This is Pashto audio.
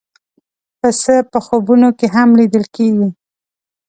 پسه په خوبونو کې هم لیدل کېږي.